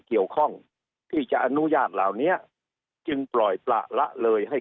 เกี่ยวข้องที่จะอนุญาตเหล่านี้จึงปล่อยประละเลยให้